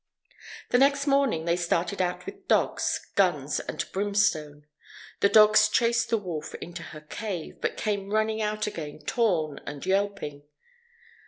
The next morning they started out with dogs, guns, and brimstone. The dogs chased the wolf into her cave, but came running out again torn and yelping.